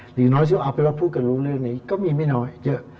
หรือน้อยจะเอาไปพูดกันรู้เรื่องนี้ก็มีไม่น้อยเยอะ